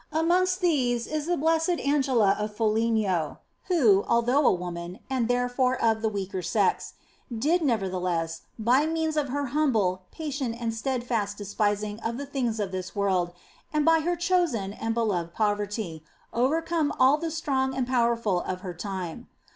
Amongst these is the Blessed Angela of Foligno, who, although a woman (and therefore of the weaker sex), did, nevertheless, by means of her humble, patient and steadfast despising of the things of this world and by her chosen and beloved poverty, over come all the strong and powerful of her time.